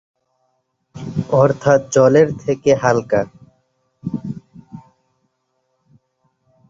অর্থাৎ জলের থেকে হালকা।